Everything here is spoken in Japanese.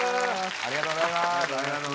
ありがとうございます。